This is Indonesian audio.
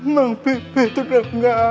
mang pipi tetap tidak ada